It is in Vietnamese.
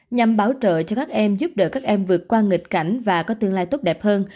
nhằm bảo trợ cho các em giúp đỡ các em vượt qua nghịch cảnh và có tương lai tốt đẹp hơn